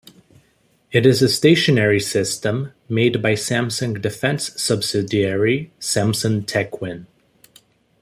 It is a stationary system made by Samsung defense subsidiary Samsung Techwin.